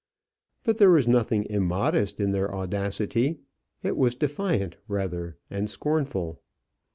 But there was nothing immodest in their audacity; it was defiant rather, and scornful.